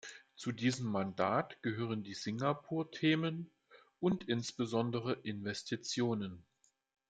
Zu diesem Mandat gehören die Singapur-Themen und insbesondere Investitionen.